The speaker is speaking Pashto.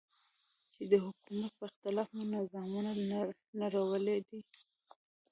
چې د حکومت په اختلاف مو نظامونه نړولي دي.